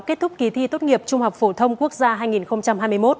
kết thúc kỳ thi tốt nghiệp trung học phổ thông quốc gia hai nghìn hai mươi một